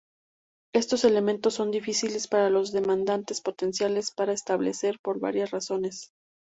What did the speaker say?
Estos elementos son difíciles para los demandantes potenciales para establecer por varias razones.